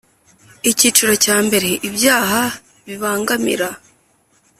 Icyiciro cya mbere ibyaha bibangamira